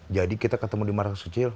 jadi kita ketemu di marangsuji